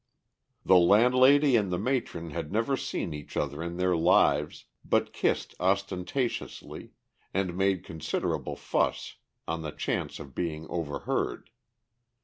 The landlady and the matron had never seen each other in their lives, but kissed ostentatiously, and made considerable fuss on the chance of being overheard.